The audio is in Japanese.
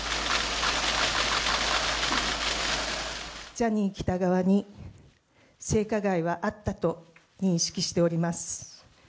ジャニー喜多川に性加害はあったと認識しております。